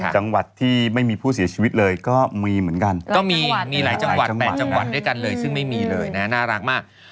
จังหวัดที่ไม่มีผู้เสียชีวิตเลยก็มีเหมือนกันก็มีมีหลายจังหวัดหลายจังหวัดด้วยกันเลยซึ่งไม่มีเลยนะน่ารักมาก